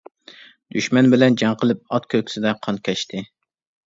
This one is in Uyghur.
دۈشمەن بىلەن جەڭ قىلىپ، ئات كۆكسىدە قان كەچتى.